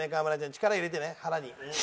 力入れてね腹に。